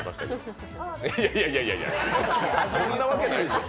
いやいやいやそんなわけないでしょ。